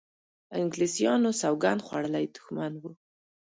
انګلیسیانو سوګند خوړولی دښمن وو.